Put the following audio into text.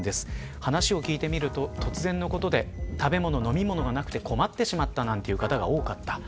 話を聞いてみると突然のことで食べ物、飲み物がなくて困ってしまったという方が多かった。